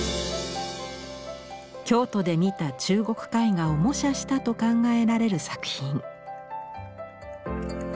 京都で見た中国絵画を模写したと考えられる作品。